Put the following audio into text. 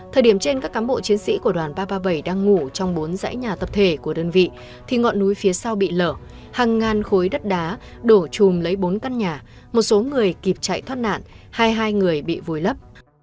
thời điểm trên các cám bộ chiến sĩ của đoàn ba trăm ba mươi bảy đang ngủ trong bốn dãy nhà tập thể của đơn vị thì ngọn núi phía sau bị lở hàng ngàn khối đất đá đổ chùm lấy bốn căn nhà một số người kịp chạy thoát nạn hai mươi hai người bị vùi lấp